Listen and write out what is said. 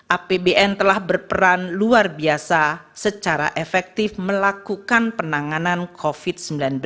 apbn telah berperan luar biasa secara efektif melakukan penanganan covid sembilan belas